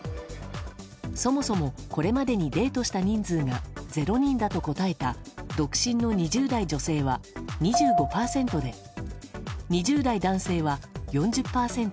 そもそも、これまでにデートした人数が０人だと答えた独身の２０代女性は２５％で２０代男性は４０％。